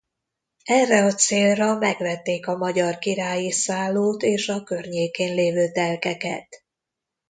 Erre a célra megvették a Magyar Királyi Szállót és a környékén lévő telkeket.